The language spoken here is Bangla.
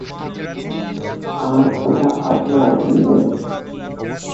আর ওটা আপনার?